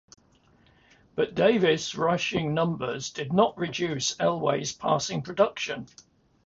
But Davis' rushing numbers did not reduce Elway's passing production.